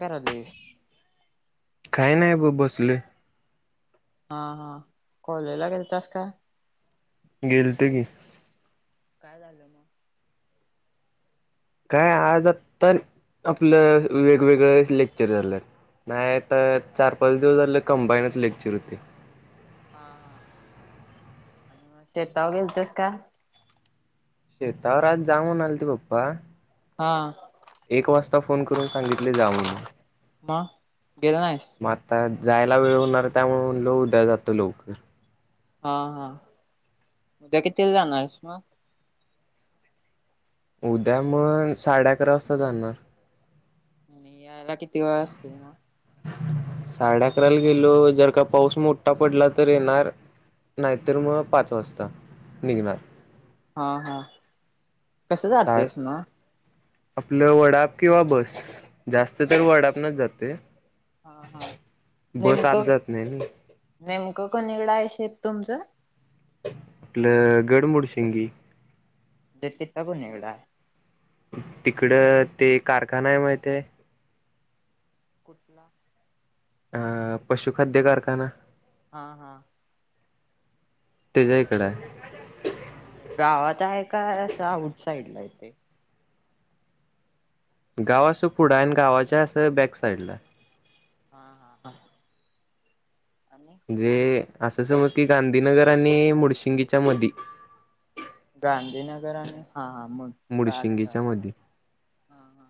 काय करायलीस काही नाही ब बसलोय. हा हा कॉलेजला गेलतास काय? गेलतो की काय झालं मग काय आज आत्ता आपलं वेगवेगळं लेक्चर झाल्यात. नाही तर चार पाच दिवस झाले कंबाईनच लेक्चर होते. हा हा आणि म शेताव गेलतंस काय? शेतावर आज जा म्हणालते पप्पा हा. एक वाजता फोन करून सांगितलंय जा म्हणून मग गेला नाहीस म आत्ता जायला वेळ होणार त्यामुळे म्हणलो उद्या जातो लवकर. हा हा उद्या कितीला जाणार आहेस मग उद्या म साडे अकरा वाजता जाणार. आणि यायला किती वेळ असतोय म साडे अकराला गेलो जर का पाऊस मोठा पडला तर येणार. नाही तर मग पाच वाजता निघणार. हा हा कसं सा जातंयस म आपलं वडाप किंवा बस जास्त तर वडापणच जातोय. हा हा नेमकं जात नाही ना नेमकं. कुणी कड हाय शेत तुमचं? आपलं गडमुडशिंगी देतेत का घुणीवडा. तिकडं ते कारखाना आहे माहितीये. कुठला? अ पशुखाद्य कारखाना हा हा. त्याच्याइकडं हाय. म्हणजे गावात हाय काय असं आउटसाइड ला आहे तेे. गाव असं पुढ हाय आणि गावाच्या असं बॅकसाइडलाय. हा हा हा. आणि जे असं समज की गांधीनगर आणि मुडशिंगीच्या मधी गांधीनगर आणि हा हा. मग काल मुडशिंगीच्या काल मधी हा हा.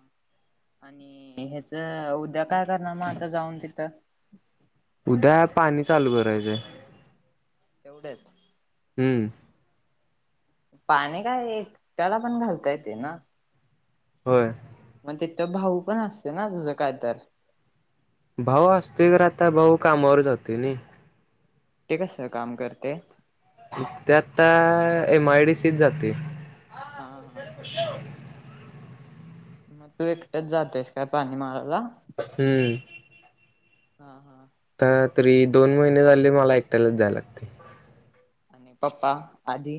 आणि ह्याचं उद्या काय करणार मग आता जाऊन तिथं. उद्या पाणी चालू करायचंय. एवढंच. हं. पाणी काय एकट्याला पण घालता येतंय ना होय मग तिथं भाऊ पण असतोय ना तुझा कायतर भाऊ असतोय खरं आत्ता भाऊ कामावर जातोय नै ते कसलं काम करतंय उक्त्या आत्ता एमआयडीसीत जातंय हा हा मग तू एकटंच जातंयस काय पाणी मारायला हम्म हा हा आत्ता तरी दोन महिने झाले मला एकट्यालाच जाय लागतंय आणि पप्पा आधी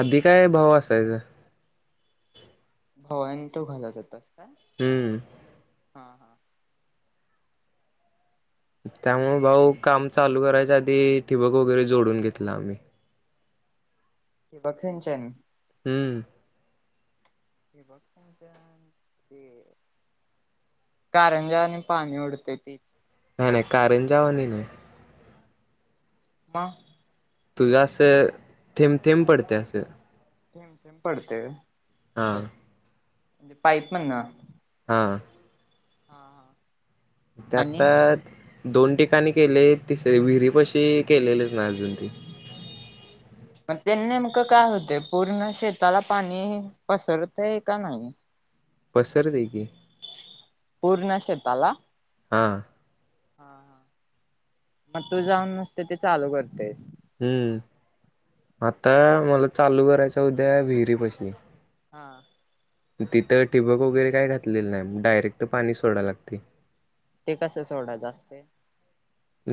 आधी काय भाव असायचा? भाऊ आणि तु घालत होतास काय? हम्म हा हा.. त्यामुळे भाऊ काम चालू करायच्या आधी ठिबक वगैरे जोडून घेतला आम्ही. [unintelligible] क बघच्या हम्म.. ठिबक सिंचन ते कारंजा आणि पाणी उडतेय ते नाही नाही कारंजा वानी नाहीय. म.. तुझं असं थेंब थेंब पडते असं थेंब थेंब पडतय व्हय हा म्हणजे पाईप मधण.. हा.. हा- हा.. त्यातद [unintelligible] दोन ठिकाणी केले तिसर विहिरीपाशी केलेलेच नाही अजून ते त्यांन नेमकं काय होतय पूर्ण शेताला पाणी पसरतय का नाही? पसरतय की पूर्ण शेताला हा हा- हा मग तू जाऊन नुसता ते चालू करतयस हम्म आता मला चालू करायचं उद्या विहिरीपशी हा.. तिथं टिबक वगैरे काय घातलेलं नाही डायरेक्ट पाणी सोडाय लागतय. ते कसं सोडायचं असतय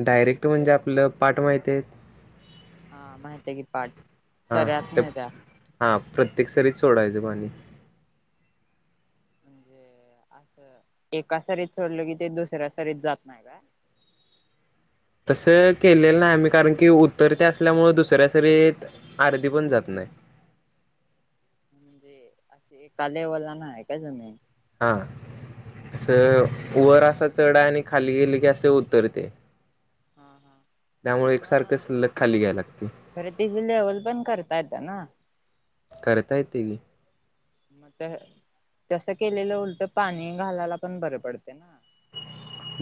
डायरेक्ट म्हणजे आपलं पाठ माहिती आहेत? हा माहितय की पाठ हा सऱ्यात ते न त्या हा प्रत्येक सरीत सोडायचं पाणी [inaudible] हे असं एका सरीत सोडल की ते दुसऱ्या सरीत जात नाही काय? तसं केलेलं नाही आम्ही कारण की उतर ते असल्यामुळे दुसऱ्या सरीत आर्दी पण जात नाही [inaudible] म्हणजे असं एका लेव्हलला नाहीत काय जमीन? हा अस वर असा चढ आणि खाली गेली की असे उतरतेय हा -हा म.. सलग खाली घ्यायला लागते खरं तेची लेव्हल पण करता येत्या ना? करता येतय की मे [unintelligible] तसं केलेलं उलट पाणी घालायला पण बरं पडतय ना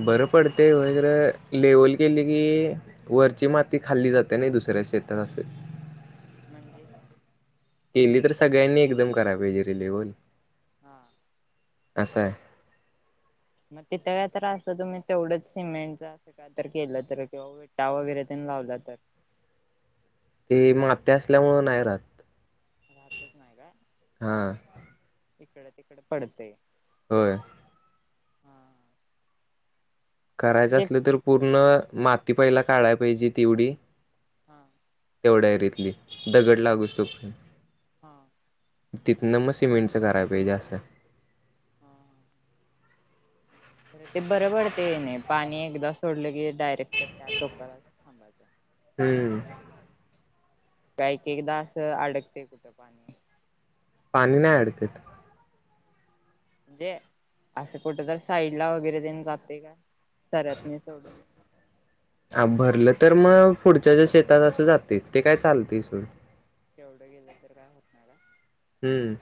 बरं पडतय व्हय खरं लेव्हल केली की वरची माती खाल्ली जाते नाही दुसरी तर आज शेतात असल म्हणजे केली तर सगळ्यांनी एकदम कराय पाहिजे रे लेव्हल हा असाय मग तिथं काय तर असं तुम्ही तेवढंच सिमेंटच अस काय तर केलं तर किं विटा वगैरे लाावला तर ते मग्या असल्यामुं आहे राहात राहतच नाही का हा इकड तिकडे पडतेय हो हम्म करायचं असलं तर पूर्ण माती पहिला काढायला पाहिजे तेवढी हम्म तेवढ्यारीतली दगड लागूसोप हा तिथनं मग सिमेंटचं कराय पाहिजे असं हम तर ते बरं पडते नाही पाणी एकदा सोडलं की डायरेक्ट त्या टोकाला थांबायचं हम्म काही क एकदा असं अडकते कुठं पाणी पाणी नाही अडकत म्हणजे असं कुठ तर साईड ला वगैरे देन जाते का सरात नाही सोडून हा भरलं तर मग पुढच्याच्या शेतात असं जाते ते काय चालते इ सड तेवढं गेलं तर काय होतणार का हम्म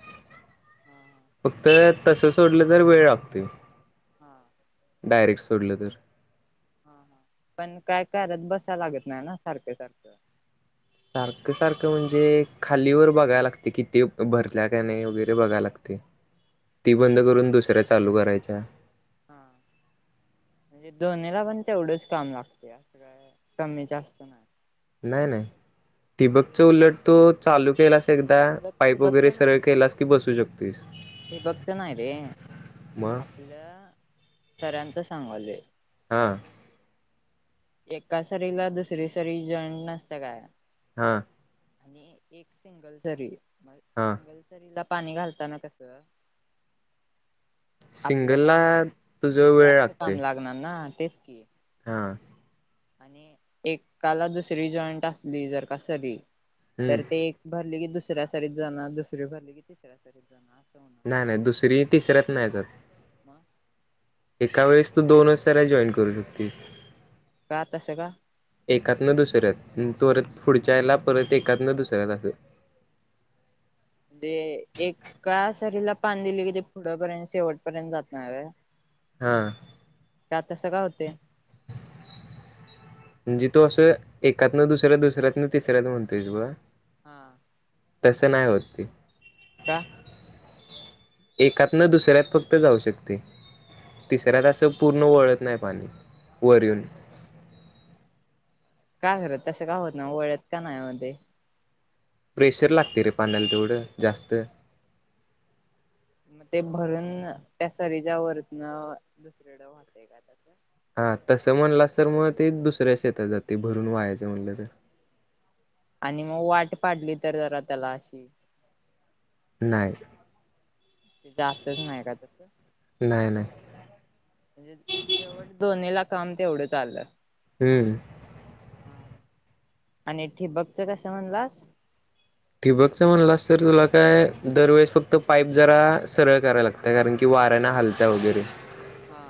फक्त तस सोडलं तर वेळ लागतेो हा हा डायरेक्ट सोडलं तर हा हा पण काय करत बसाय लागत नाही ना सारख्या सारखं सारखं सारखं म्हणजे खालीवर बघाय लागते किती भरल्या काय नाही वगैरे बघाय लागते ती बंद हा करून दुसऱ्या चालू करायच्या हा. म्हणजे दोन्हीला पण तेवढंच काम लागते अस का कमी जास्त नाही नाही नाही टिबकच उलट तो चालू केलास एकदा ठिबक पाईप वगैरे सगळे केलास की बसू शकतो हे भघतना आहेे मग आपल्या सरांच सांगलय हा एका सरीला दुसरी सरी जॉईंन नसते काय हा आणि एक सिंगल सरी म हा सिंगल सरी ला पाणी घालताना कस सिंगल ला तुझ वेळ लागते तेस क हा, आणि एकाला दुसरी जॉईंट असली जर का सरी हम्म तर ते एक भरले की दुसऱ्या सारीत जाणार दुसरी भरली की तिसऱ्या सारीत जाणार होणार ना नाही नाही दुसरी तिसऱ्यात नाही जात मग [inaudible] एका वेळेस तू दोन वाज त्याला जॉईन करू शकतेस, का तस का एकातन दुसऱ्यात तत पुढच्या याला परत एकातन दुसऱ्यात असं [inaudible] ते एका सरीला पान दिले कि ते पुढपर्यंत शेवटपर्यंत जात नाही हा, का तसं का होते. म्हणजे तो असं एकात ना दुसऱ्या दुसऱ्यात ना तिसऱ्यात म्हणतोयस ब हा, तसं नाही होत ती, का? एकातन दुसऱ्यात फक्त जाऊ शकते. तिसऱ्या तास पूर्ण वळत नाही पाणी वर येऊन, काय करत तसं काय होत ना ओळत का नाही यामध्ये, प्रेशर लागते रे पाण्याला तेवढं जास्त, मग ते भरून त्या सरीच्या वरुन दुसरीकडे वाहते का त्या हा तसं म्हणलास तर मग ते दुसऱ्या शेतात जाते भरून व्हायचं म्हणलं तर आणि मग वाट पाडली तर जरा त्याला अशी नाही. ते जातच नाही का तस, नाही नाही म्हणजे शेवट दोन वेळ काम तेवढं चाललं हम्म, आणि ठिबकत कसं म्हणलास, ठिबकचम्हणला तर तुला काय दरवेळेस फक्त पाईप जरा सरळ करायला लागत कारण कि, वाऱ्याने हालते वैगेरे हा,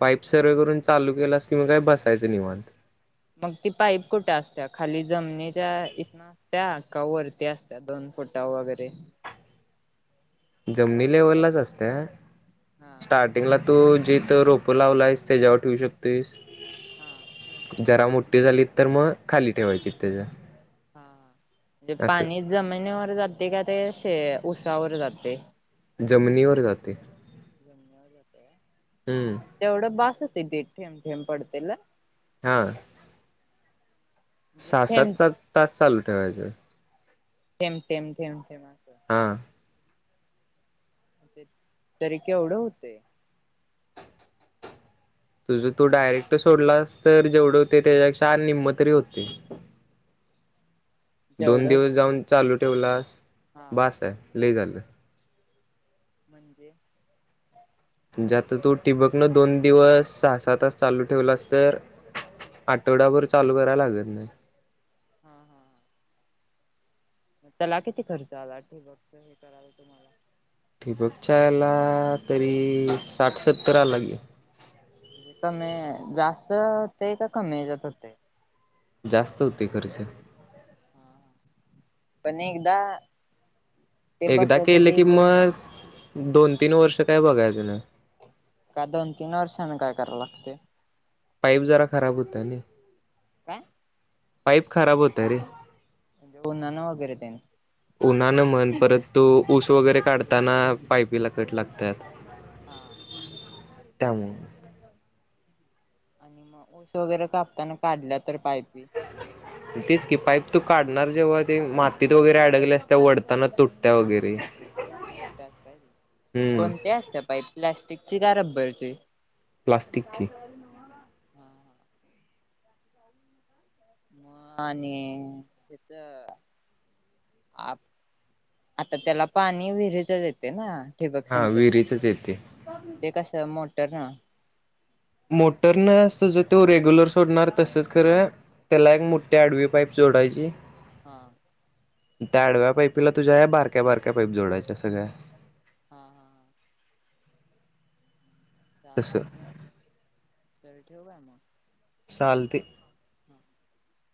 पाईप सर्व करून चालू केलास किंवा काय बसायचं निवांत मग ती पाईप कुठे असत्या खाली जमनीच्या की वरती असत्या दोन फुटा वैगरे, जमिनी लेवललाच असते, हा स्टार्टिंगला, तो जेथे रोपं लावला आहेस त्याच्यावर ठेवू शकतो आहेस. हा, जरा मोठी झाली तर मग खाली ठेवायची त्याच्या. हा म्हजे पाणी असं जमिनीवर जाते का ते अस ऊसावर जाते. जमिनीवर जात, [inaudible] हम्म पण तेवढं बास होतील थेंब थेंब पडतात ना? हा, म्हणजे सहा सात थेंब तास चालू ठेवायच थेंब थेंब थेंब असं. हा, ते तरी केवढं होते. तुझं तू डायरेक्ट सोडलास तर जेवढे होते त्याच्यापेक्षा निम्मतरी होते. [inaudible] दोन जेवढं दिवस जाऊन चालू ठेवलास हा बास कर लई झालं, म्हणजे, म्हणजे आता तू ठिबकण दोन दिवस सहा सहा तास चालू ठेवलास तर आठवडाभर चालू करायला लागल? - हम्म. [unintelligible] मग त्याला किती खर्च आला बघ हे कराव लागेल तुम्हाला [unintelligible] ठिबकच्या याला तरी साठ सत्तर आला की. कमी जास्त होते का कमी याचात होतय. जास्त होतेय खरच. पण न एकदा- ते एकदा बसवले केलं की गेले मग दोन तीन वर्ष काय बघायचे नाही. का दोन तीन वर्षांनी काय कराव लागते? पाईप जरा खराब होतो नाही. काय? पाईप खराब होतो रे. म्हणजे उन्हानं वगैरे तेन. उन्हान म्हण परत तू ऊस वगैरे काढताना पाईपीला कट लागतात. हा. त्यामुळे. आणि मग ऊस वगैरे कापताना काढलं तर पाईप? - तीच की पााइप तू- काढणार जेव्हा ते मातीत वगैरे अडकले असते ओढताना तुटत्या वगैरे. त असत हम्म कोणती असत्या पाईप प्लॅस्टिकची का रब्बरची? प्लास्टिकची. हा हा. मगं आणि तेच आता त्याला पाणी विहिरीचच येते ना? - ठिबक हा सिंचन विहिरीचच येते ते कसं मोटर हं. मोटरन अस ज तो रेग्युलर सोडणार तसंच खर त्याला एक मोठ्या आडवी पाईप जोडायची. हा. त्या आडव्या पाईपीला तुझ्या या बारक्या बारक्या पाईप जोडायच्या सगळ्या. हा, हा हा. चालते तसं तरी ठेवू का मग? चालतय. हम्म. [unintelligible]